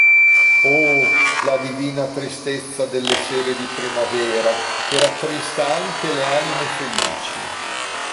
Oh, la divina tristezza delle sere di primavera, che rattrista anche le anime felici!